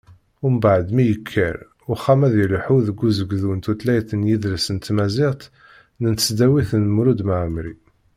Mbeɛd mi yekker uxxam ad yelḥu deg ugezdu n tutlayt d yidles n tmaziɣt n tesdawit n Mulud Mɛemmeri.